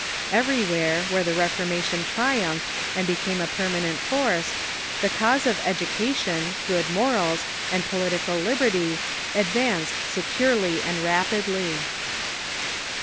Everywhere, where the Reformation triumphed and became a permanent force, the cause of education, good morals, and po litical liberty advanced securely and rapidly.